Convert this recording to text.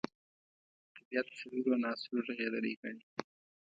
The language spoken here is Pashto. طبیعت څلورو عناصرو رغېدلی ګڼي.